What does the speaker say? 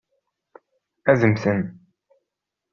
Ad mmten.